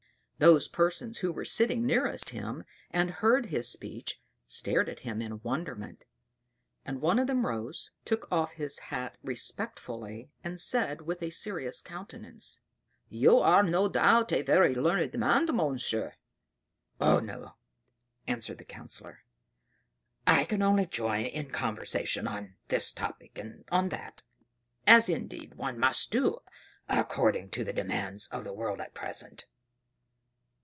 Those persons who were sitting nearest him and heard his speech, stared at him in wonderment; and one of them rose, took off his hat respectfully, and said with a serious countenance, "You are no doubt a very learned man, Monsieur." "Oh no," answered the Councillor, "I can only join in conversation on this topic and on that, as indeed one must do according to the demands of the world at present."